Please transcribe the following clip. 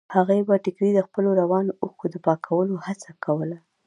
هغې په ټيکري د خپلو روانو اوښکو د پاکولو هڅه کوله.